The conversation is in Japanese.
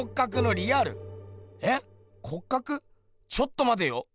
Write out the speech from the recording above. ちょっとまてよ。